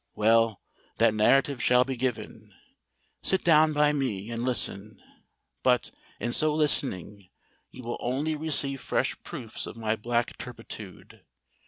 Well—that narrative shall be given. Sit down by me—and listen: but, in so listening, you will only receive fresh proofs of my black turpitude!